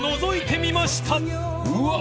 うわ！